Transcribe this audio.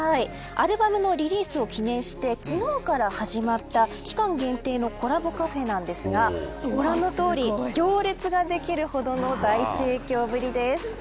アルバムのリリースを記念して昨日から始まった期間限定のコラボカフェですがご覧のとおり行列ができるほどの大盛況ぶりです。